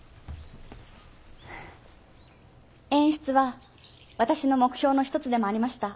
演出は私の目標の一つでもありました。